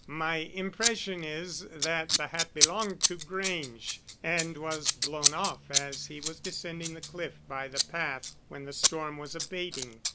My impression is that the hat belonged to Grange, and was blown off as he was descending the cliff by the path when the storm was abating.